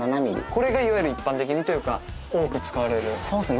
これがいわゆる一般的にというか多く使われるそうです